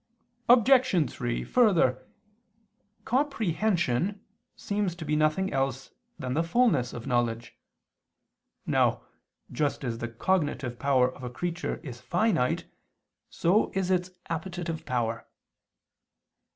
Obj. 3: Further, comprehension seems to be nothing else than the fulness of knowledge. Now, just as the cognitive power of a creature is finite, so is its appetitive power.